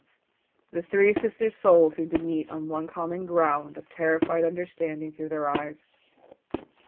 The three sisters' souls seemed to meet on one common ground of terrified understanding though their eyes.